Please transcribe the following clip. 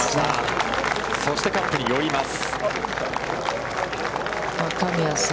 そしてカップに寄ります。